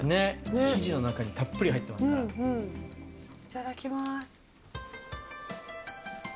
生地の中にたっぷり入ってまいただきます。